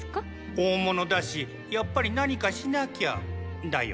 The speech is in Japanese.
大物だしやっぱり何かしなきゃだよねぇ。